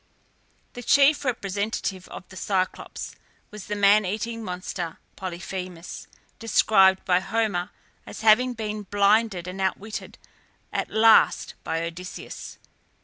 The chief representative of the Cyclops was the man eating monster Polyphemus, described by Homer as having been blinded and outwitted at last by Odysseus.